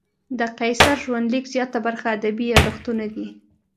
د قیصر ژوندلیک زیاته برخه ادبي یادښتونه دي.